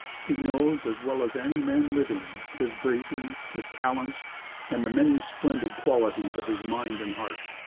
He knows, as well as any man living, his bravery, his talents and the many splendid qualities of his mind and heart.